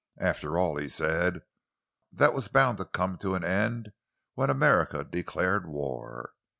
"After all," he said, "that was bound to come to an end when America declared war.